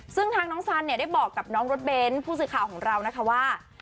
ซึ่งทางน้องสันเนี่ยได้บอกกับน้องรถเบ้นผู้สื่อข่าวของเรานะคะว่า